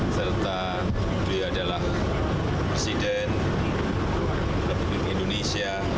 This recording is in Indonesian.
serta beliau adalah presiden republik indonesia